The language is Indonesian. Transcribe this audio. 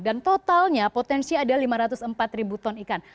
dan totalnya potensi ada lima ratus empat ton ikan